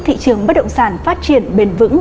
thị trường bất động sản phát triển bền vững